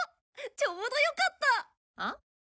ちょうどよかった！は？